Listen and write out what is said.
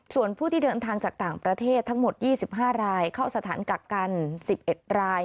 ส่วนผู้ที่เดินทางจากต่างประเทศทั้งหมด๒๕รายเข้าสถานกักกัน๑๑ราย